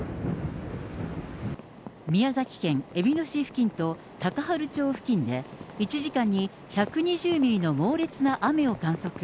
宮崎県えびの市付近と高原町付近で、１時間に１２０ミリの猛烈な雨を観測。